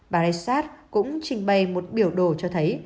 bà resat cũng trình bày một biểu đồ cho thấy